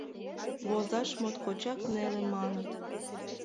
Возаш моткочак неле, маныт.